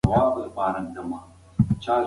د راتلونکي کال لپاره مو کوم پلان جوړ کړی دی؟